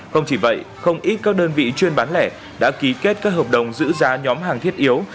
không chỉ vậy không ít các đơn vị chuyên bán lẻ đã ký kết các hợp đồng giữ giá nhóm hàng thiết yếu